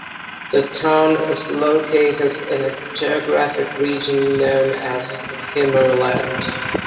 The town is located in a geographic region known as "Himmerland".